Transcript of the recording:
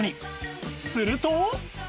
すると